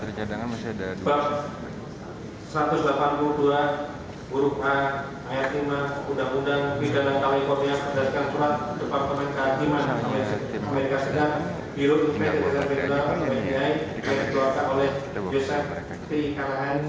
diurut pdi dan pdi dan dikeluarkan oleh yosef p kalahan